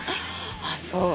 ああそう。